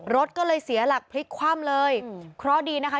รถก็เลยเสียหลักพลิกคว่ำเลยเพราะดีนะคะ